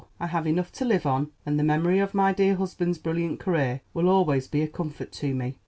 I have enough to live on, and the memory of my dear husband's brilliant career will always be a comfort to me.